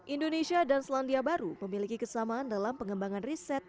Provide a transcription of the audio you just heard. indonesia dan selandia baru memiliki kesamaan dalam pengembangan riset